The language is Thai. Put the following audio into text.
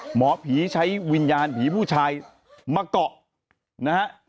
หมอผีใช้วิญญาณผีผู้ชายมาเกาะนะฮะ